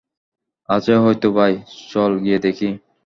আছে হয়তো, ভাই, - চল, গিয়ে দেখি।